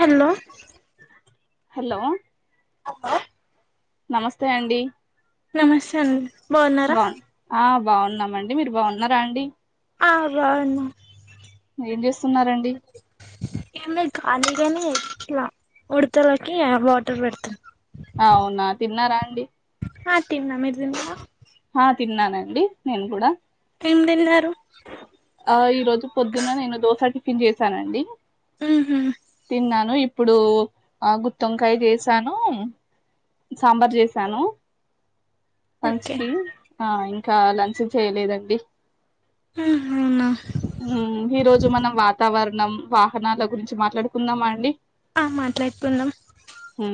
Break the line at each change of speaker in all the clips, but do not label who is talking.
Hello
hello
అక్క
నమస్తే అండి
నమస్తే అండి బావున్నారా
బాగున్నాము అండి మీరు బాగున్నారా అండి
ఆ బాగున్నా
ఏం చేస్తున్నారండి
[unintelligible] అ కాని ఇట్లా ఉడతలకి వాటర్ పెడతన్న
అవునా తిన్నారా అండి
ఆ తిన్న అండి మీరు తిన్నారా
ఆ తిన్నానండి నేను కూడా
ఎం తిన్నారు
ఆ ఈ రోజు పొద్దున్న నేను దోస టిఫన్ చేసానండి
ఉహు
తిన్నాను ఇప్పుడు ఆ గుత్తి వంకాయ చేసాను సాంబార్ చేసాను లంచ్
ఓకే
కి ఆ ఇంకా లంచ్ చేయలేదండి
ఉహు అవునా
ఈ రోజు మనం వాతావరణం వాహనాల గురించి మాట్లాడుకుందామా అండి
ఆ మాట్లాడుకుందాం
ఉ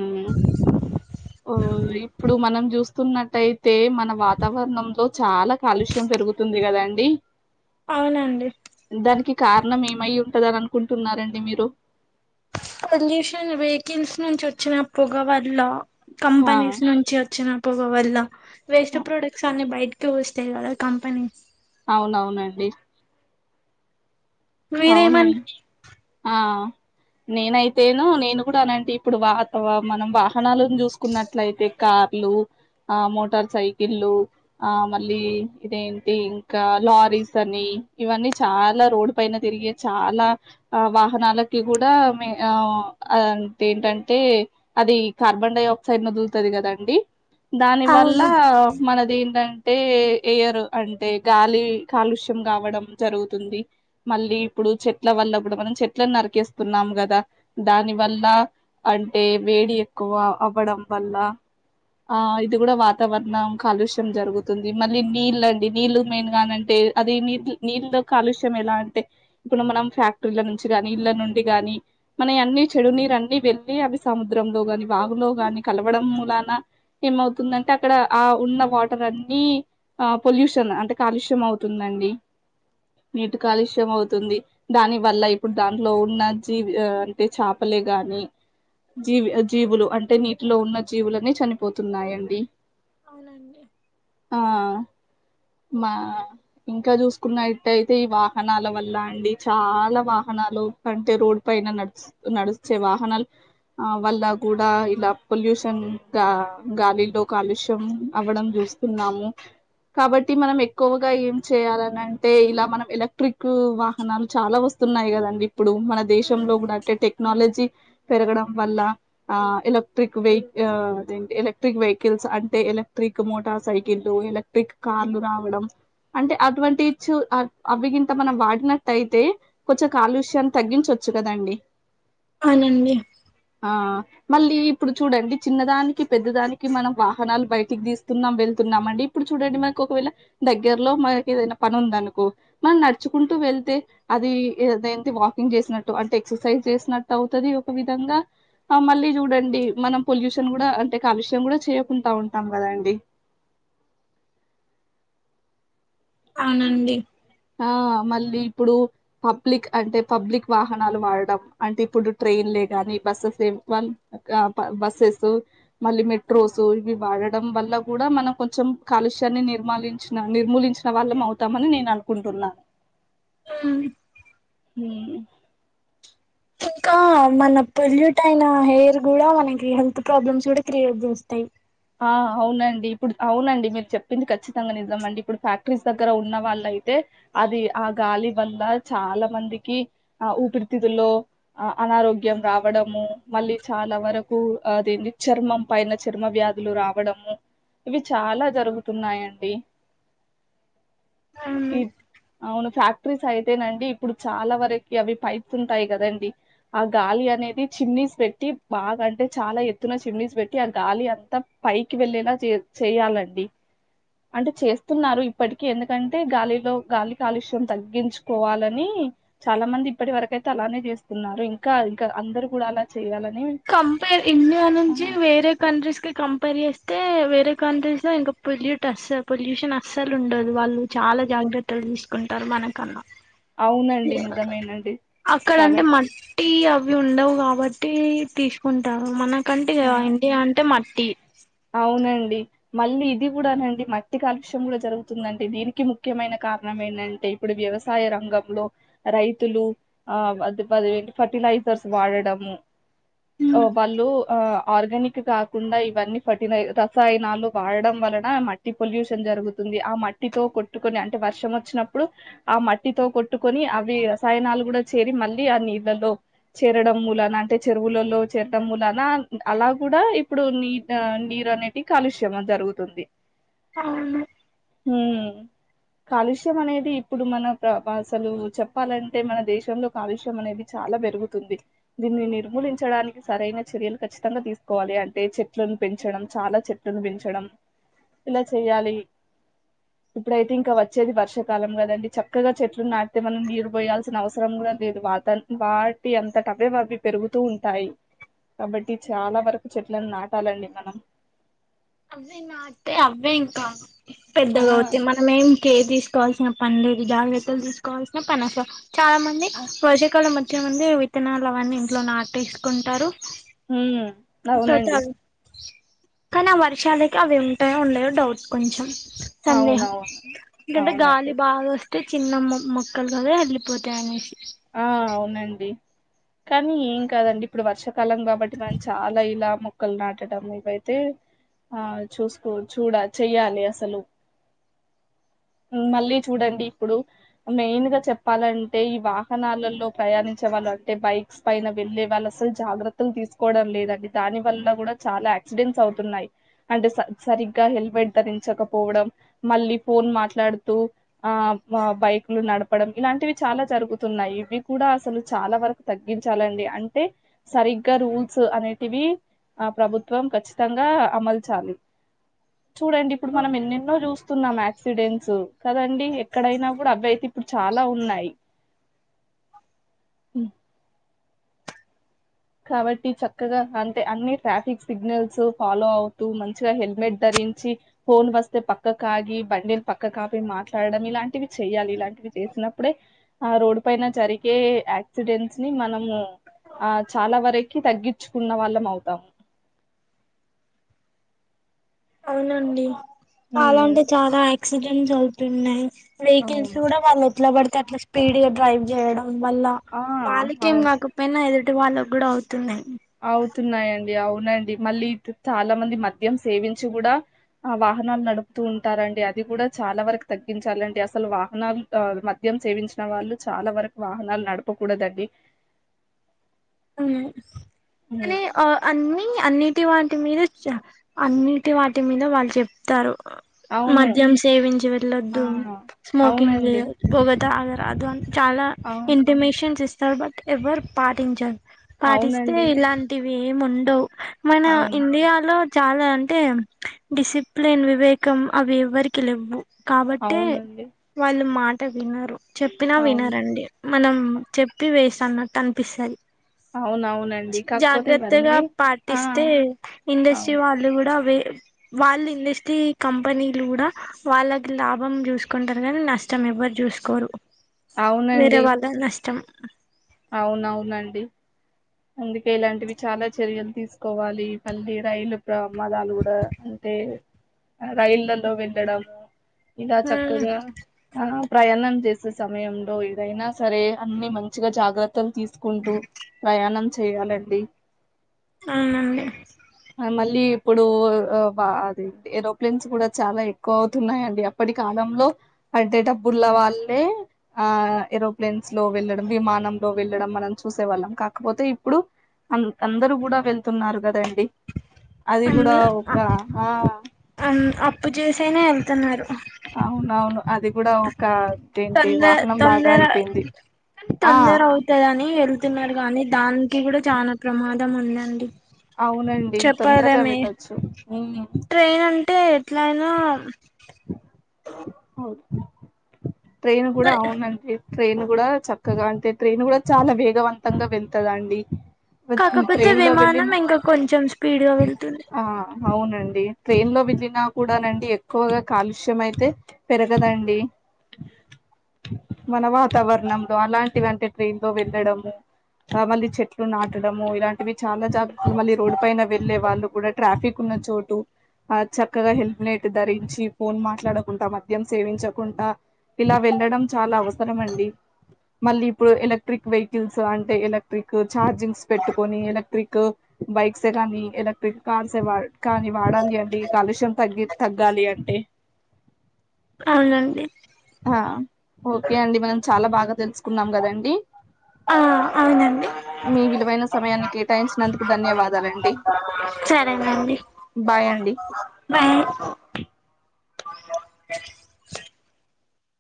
ఓ ఇప్పుడు మనం చూస్తున్నట్టయితే మన వాతావరణంలో చాలా కాలుష్యం పెరుగుతుంది కదండి
అవునండి
దానికి కారణం ఏమై ఉంటంది అని అనుకుంటున్నారండి మీరు
పొల్యూషన్ వెహికల్స్ నుంచి వచ్చిన పొగ వల్ల
ఆ
కంపెనీస్ నుంచి వచ్చిన పొగ వల్ల వేస్ట్ ప్రోడక్ట్స్ అన్ని బయటకి వేస్తాయి కదా కంపెనీస్
అవునవును అండి
మీరేమన్
అవునండి ఆ నేనైతేనో నేను కూడా అలాంటి ఇప్పుడు వా మనం వాహనాల చూసుకున్నట్లయితే కార్లు ఆ మోటార్ సైకిల్లు ఆ మళ్ళీ ఇదేంటి ఇంకా లారీస్ అని ఇవన్నీ చాలా రోడ్ పైన తిరిగే చాలా వాహనాలకి కూడా ఆ ఏంటంటే అది కార్బన్ డై ఆక్సైడ్ ను వదులుతది కదండి దాని వల్ల
అవును
మనకి ఏంటంటే ఎయరు అంటే గాలి కాలుష్యం కావడం జరుగుతుంది మళ్ళీ ఇప్పుడు చెట్ల వల్ల కూడా మనం చెట్లను నరికేస్తున్నాము కదా దాని వల్ల అంటే వేడి ఎక్కువ అవ్వడం వల్ల ఆ ఇది కూడా వాతావరణం కాలుష్యం జరుగుతుంది మళ్ళీ నీళ్ళ అండి నీళ్ళలు మెయిన్ గాన్ అంటే అది నీళ్ నీళ్ కాలుష్యం ఎలా అంటే ఇప్పుడు మనం ఫ్యాక్టరీల నుంచి గాని ఇళ్ళ నుండి గానీ మన అన్ని చెడునీరు అన్ని వెళ్ళి అవి సముద్రం లో కాని వాగులో గాని కలవడం మూలాన ఏమవుతుందంటే అక్కడ ఆ ఉన్న వాటర్ అన్ని ఆ పొల్యూషన్ అంటే కాలుష్యం అవుతుందండి నీటి కాలుష్యం తాము ఆవుతుంది దాని వల్ల ఇప్పుడు దాంట్లో ఉన్న జీవి అంటే చాపలే గాని జీవి జీవులు అంటే నీటిలో ఉన్న జీవులన్ని చనిపోతున్నాయండి
అవునండి
ఆ మా ఇంకా చూసుకున్నట్టయితే ఈ వా వాహనాల వల్ల అండి చాలా వాహనాలు అంటే రోడ్ పైన నడస్ నడిస్తే వాహనాలు ఆ వల్ల కూడా ఇలా పొల్యూషన్ గా గాలిల్లో కాలుష్యం అవ్వడం జరు స్తున్నాము కాబట్టి మనం ఎక్కువగా ఏం చేయాలనంటె ఇలా మన ఎలక్ ట్రిక్ వాహనాలు చాలా వస్తున్నాయి కదండి ఇప్పుడు మన దేశంలో కూడా అంటే టెక్నాలజీ పెరగడం వల్ల ఆ ఎలక్ట్రిక్ వెహ్ ఆ ఎలక్ట్రిక్ వెహికల్స్ అంటే ఇలక్ట్రిక్ మోటార్ సైకిల్ ఎలక్ట్రిక్ కార్లు రావడం అంటే అటువంటి ఇచ్ అవ్ తనం మనం వాడినట్టయితే కొంచెం కాలుశ్యాం తగ్గించోచ్చు కదండి
అవునండి
ఆ మళ్ళీ ఇప్పుడు చూడండి చిన్నదానికి పెద్ద దానికి మనం వాహనాలు బయటికి తీసుస్తున్నాం వెళ్తున్నా న్నామండి ఇప్పుడు చూడండి మనకి ఒకవేళ దగ్గరలో మనకి ఏదైనా పని ఉంది అనుకో మన నడచ్ చ్చుకుంటూ వెళ్తే అది ఏదంటి వాకింగ్ చేసినట్టు అంటే ఎక్సర్సైజ్ చేసినట్టు అవుతది ఒక విధంగా గా ఆ మళ్ళీ చూడండి మనం పొల్యూషన్ కూడా అంటే కాలుష్యం కూడా చేయకుంట ఉంటాం కదా అండి [inaudible]
అవునండి
ఆ మళ్ళీ ఇప్పుడు పబ్లిక్ అంటే పబ్లిక్ వాహనాలు వాడడం అంటే ఇప్పుడు ట్రైన్ లే గాని బస్సే బస్సెస్ మళ్ళీ మెట్రోస్ ఇవి వాడడం వల్ల కూడా మనం కొంచం కాలుష్యాన్ని నిర్మిలించినా నిర్మూలించిన వాళ్ళం అవుతామని నేను అను కుంటన్నా
ఉమ్
ఉమ్
ఇంకా మన పొల్యూట్ అయిన హెయిర్ కూడా మనకి హెల్త్ ప్రాబ్లమ్స్ కూడా క్రియేట్ చేస్తాయి
ఆ అవునండి ఇప్పుడు అవునండి మీరు చెప్పింది ఖచ్చితంగా నిజాంమండి ఇప్పుడు ఫ్యాక్టరీస్ దగ్గర ఉన్న వాళ్ళ అయితే అది ఆ గాలి వల్ల చాలా మందికి ఆ ఊపిరితితులో ఆ అన రోగ్యం రావడము మళ్ళీ చాలా వరకు అదేంది చర్మం పైన చర్మ వ్యాధి లు రావడము ఇవి చాలా జరుగుతున్నాయండి
ఉమ్
ఈ అవును ఫ్యాక్టరీస్ అయితేనండి ఇప్పుడు చాలా వరకు అవి పైప్స్ ఉంటాయి కదండి ఆ గాలి లి అనేది చిమ్నీస్ పెట్టి బాగా అంటే చాలా ఎత్తున చిమ్నీస్ పెట్టి ఆ గాలి అంతా పైకి వెళ్ళేలా చే చేయ్యాలండి అంటే చేస్తున్నారు ఇప్పటికి ఎందుకంటే గాలిలో గాలి కాలుష్యం తగ్గించుకోవాలని నీ చాలా మంది ఇప్పటి వరకయితే అలానే చేస్తున్నారు ఇంకా ఇంకా అందరు కూడా అలా చేయాలని
కంపేర్ ఇండియా
ఆ,
నుంచి వేరే కంట్రీస్ కమ్ పని చేేస్తే వేరే కంట్రీస్ లో ఇంకా పొల్యూట్ అస్స పొల్యూషన్ అస్సలు ఉండదు వాళ్ళు చాలా జాగ్ర జాగ్రత్తలు తీసుకుంటారు మనకన్నా
అవునండి నిజమేనండి
అక్కడ
చాలా
అంటే
చా-
మట్టి అ అవి ఉండవు కాబట్టి తీసుకుంటారు మనకంటే
ఆ
ఇగ ఇండియా అంటే మట్టి
అవునండి మళ్ళీ ఇది కూడానండి మట్టి కాలుష్యం కూడా జరుగుతుందండి దీనికి ముఖ్యమైన కా కారణం ఏంటంటే ఇప్పుడు వ్యవసాయ రంగంలో రైతులు ఆ పట్టి డైపర్స్ వాడడము ఆ వాళ్ళు ఆ ఆర్గానిక్ కాకుండా ఇవన్నీ పట్టిన రసాయనాలు వాడడం వలన మట్టి పొల్యూషన్ జరుగుతుంది ఆ మట్టితో కొట్టుకొని అంటే వర్షం వచ్చినప్పుడు ఆ మట్టితో కొట్టుకొని అవి రసాయనాలు కూడా చేరి మళ్ళీ ఆ నీళ్ళలో చేరడం మూలాన అంటే చెరువులలో చేరడం మూలాన అలా కూడా ఇప్పుడు నీ ఆ నీరు అనేటి కాలుష్యం జరుగుతుంది
అవును
హమ్ కాలుష్యం అనేది ఇప్పుడు మన ప్ర అసలు చెప్పాలంటే మన దేశంలో కాలుష్యం అనేది చా చాలా పెరుగుతుంది దీన్ని నిర్మూలించడానికి సరైన చర్యలు ఖచ్చితంగా తీసుకోవాలి అంటే చె చెట్లను పెంచడం చాలా చెట్టులను పెంచడం ఇలా చెయాలి ఇప్పుడైతే ఇంకా వచ్చేది వర్షాకాలం కదండి చక్కగా చెట్లు నాటితే మనం నీరు పోయాల్సిన అవసరం కూడా లేదు వాత వాటి అంతటవే అవి పెరుగుతూ ఉంటాయి కాబట్టి చాలా వరకు చెట్లను నాటాలండి మనం
అవే నాటీతే అవే ఇంకా
ఆ
పెద్దగా అవుతాయి మనమేం కేర్ తీసుకోవాల్సిన పని లేదు జాగ్రత్తలు తీసుకోవాల్సిన పని అసలు చాలా మంది
ఆ,
వర్ష కాలం కొంతమంది విత్తనాలు అవన్నీ ఇంట్లో నాటేసుకుంటారు
హమ్
తాగుతూ అగు కానీ ఆ వర్షాలకి అవి ఉంటాయో ఉండయో డౌట్ కొంచెం సందేహం
అవునవును
ఎందుకు
అవునండి
గాలి బాగా వస్తు వస్తే చిన్న మొక్కలు కదా వెళ్ళిపోతాయి అనేసి
ఆ అవునండి కానీ ఏం కాదండి ఇప్పుడు వర్ష కలం కాబట్టి మనం చాలా ఇలా మొక్కలు నాటడం ఇవైతే ఆ చూసుకో చూడ చెయ్యాలి అసలు మళ్ళీ చూడండి ఇప్పుడు మెయిన్ గా చెప్పాలంటే ఇవా క్షణాలలో ప్రయాణించే వాళ్ళు అంటే బైక్స్ పైన వెళ్ళే వాళ్ళు అసలు జాగ్రత్తలు తీసుకోవడం లేదండి దాని దాని వల్ల కూడా చాలా యాక్సిడెంట్స్ అవుతున్నాయి అంటే సరిగ్గా హెల్మెట్ ధరించకపోవడం మళ్ళీ ఫోన్ మాట్లాడుతూ ఆ ఆ బైక్ లు నడపడం ఇలాంటివి చాలా జరుగుయి తున్నాయి ఇవి కూడా అసలు చాలా వరకు తగ్గించాలండి అంటే సరిగ్గా రూల్స్ అనేటివి ఆ ప్రభుత్వం ఖచ్చితంగా అమల్చాలి చూడండి ఇప్పుడు మనం ఎన్నెన్నో చూస్త తున్నాం యాక్సిడెంట్స్ కదండి ఎక్కడైనాప్పుడు అవి అయితే ఇప్పుడు చాలా ఉన్నాయి ఉమ్ కాబట్టి చక్కగా అంటే అన్ని ట్రాఫిక్ సిగ్నల్స్ ఫాలో అవుతూ మంచిగా హెల్మెట్ ధరి రించి ఫోన్ వస్తే పక్కకు ఆగి బండిని పక్కకు ఆపి మాట్లాడడం ఇలాంటివి చేయాలి ఇలాంటివి చేసినప్పుడే ఆ రోడ్ పైన జరిగే యాక్సిడెంట్స్ ని మనము ఆ చాలా వరకి తగ్గించుకున్న వాళ్ళం అవుతాము
అవునండి
ఉమ్
అలాంటే చాలా యాక్సిడెంట్స్ అవుతున్నాయి వెహికల్స్
అవును
కూడా వాళ్ళు ఎట్లా పడితే అట్లా స్పీడ్ గా డ్రైవ్ చేయడం వల్ల
ఆ
వాళ్ళకేం
అవును
కాకపోయినా ఎదుటి వాళ్ళకి కూడా అవుతు
అవుతున్నాయండి అవునండి మళ్ళీ చాలా మంది మద్యం సేవించి కూడా ఆ వాహనాలు నడుపుతూ ఉంటారండి అది కూడా చాలా వరకు తగ్గించాలండి అసలు వాహనాలు మధ్య మద్యం సేవించిన వాళ్ళు చాలా వరకు వాహనాలు నడపకూడదండి
ఉమ్
హ్మ్.
కానీ ఆ అన్ని అన్నిటి వాటి మీద జా అన్నిటి వాటి మీద వాళ్ళు చెప్తారు
అవును.
మద్యం సేవించి
ఆ!
వెళ్ళొద్దు స్మోకింగ్
అవునండి.
చేయ పొగ తాగ కాదు అని చాలా
అవును.
ఇంటిమేషన్స్ ఇస్తారు బట్ ఎవరు పాటించ పాటిస్తే
అవునండి.
ఇలాంటివి ఏము ఉండవు మన
అవును.
ఇండియాలో చాలా అంటే డిసిప్లిన్ వివేకం అవి ఎవ్వరికి లేవ్వు కాబట్టే
అవునండి.
వాళ్ళు మాట విన్నారు చెప్పినా
అవును.
వినారండి మనం చెప్పి వేస్ట్ అన్నట్టు అనిపిస్తది
అవునవునండి. కాకపోతే
జాగ్రత్తగా
ఇవన్నీ ఆ!
పాటిస్తే ఇండస్ట్రీ
అవును.
వాళ్ళు కూడా అవే వాళ్ళు ఇండస్ట్రీ కంపెనీలు కూడా వాళ్ళకి లాభం చూసుకుంటారు కానీ నష్టం చూసుకోరు వేరే
అవునండి.
వాళ్ళ నష్టం
అవునవునండి అందుకే ఇలాంటివి చాలా చర్యలు తీసుకోవాలి మళ్ళీ రైలు ప్రమాదాలు కూడా అంటే రైళ్లలో వెళ్ళడము ఇద
ఉమ్
చక్కగా ఆ ప్రయాణం చేసే సమయంలో ఏదైనా సరే అన్ని మంచిగా జాగ జాగ్రతలు తీసుకుంటూ ప్రయాణం చేయాలండి
ఆ
ఆ, మళ్ళీ ఇప్పుడు అది ఏరోప్లేన్స్ కూడా చాలా ఎక్కువ అవుతున్నాయండి అప్పటి కాలం లో డబ్బుర్ల వాళ్ళే ఆ ఏరోప్లేన్స్ లో వెళ్ళడం విమానం లో వెళ్ళడం మనం చూసేవాళ్ళం కాకపోతే ఇప్పుడు అ అందరు కూడా వెళ్తున్నారు కదండి అది కూడా ఒక
అ అప్పు చేసైనా వెళ్తున్నారు
అవునవును అది కూడా ఒక ఏంటి
తొందర
వాహనం లాగా
తొందర
అయిపోయింది ఆ
తొందర ని వెలుతున్నారు కానీ దానికి కూడా చాల ప్రమాదం ఉందండి
అవునండి తొందరగా
చెప్పలేమే
వెళ్ళొచ్చు
ట్రైన్ అంటే ఎట్లయినా
అవును ట్రైన్ కూడా అవును ట్రైన్ కూడా చక్కగా అంటే ట్రైన్ కూడా చాలా వేగవంతంగా వెలుతదండి
కాకపోతే విమానం ఇంకా కొంచెం స్పీడ్గా వెళ్తది
ఆ అవునండి ట్రైన్ లో వెళ్లిన కూడానండి ఎక్కువగా కాలుష్యయితే పెరగదండి మన వాతావరణంలో అలాంటివంటి ట్రైన్ లో వెళ్ళడము ఆ మళ్ళీ చెట్లు నాటడము ఇలాంటివి చాలా జాగ్రత్తలు మళ్ళీ రోడ్డు పైన వెళ్ళే వాళ్ళు కూడా ట్రాఫిక్ ఉన్న చోటు ఆ చక్కగా హెల్నెట్ ధరించి ఫోన్ మాట్లాడుకుంటాం మద్యం సేవించకుండా ఇలా వెళ్ళడం చాలా అవసరం అండి మళ్ళీ ఇప్పుడు ఎలక్ట్రిక్ వెహికల్స్ అంటే ఎలక్ట్రిక్ చార్జింగ్స్ పెట్టుకొని ఎలక్ట్రిక్ బైక్సే కానీ ఎలక్ట్రిక్ కార్స్ ఏ కానీ వాడాలి అండి కాలుష్యం తగ్గి తగ్గాలి అంటే
అవునండి
ఆ ఓకే అండి మనం చాలా బాగా తెలుసుకున్నాం కదండి
ఆ అవునండి
మీ విలువైన సమయాన్ని కేటాయించినందుకు ధన్యవాదాలు అండి
సరేనండి
బాయ్ అండి
బాయ్